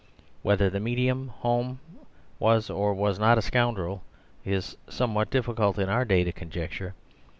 Whether the medium Home was or was not a scoundrel it is somewhat difficult in our day to conjecture.